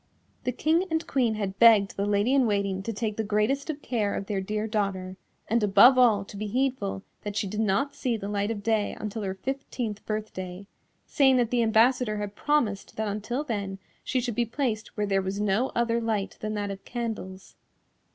The King and Queen had begged the Lady in Waiting to take the greatest of care of their dear daughter, and above all to be heedful that she did not see the light of day until her fifteenth birthday, saying that the ambassador had promised that until then she should be placed where there was no other light than that of candles.